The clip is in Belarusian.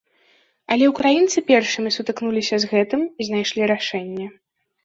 Але ўкраінцы першымі сутыкнуліся з гэтым і знайшлі рашэнне.